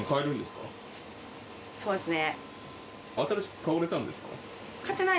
そうですね。